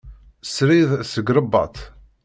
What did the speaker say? Srid seg Ṛebbat.